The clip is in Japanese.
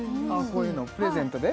こういうのをプレゼントで？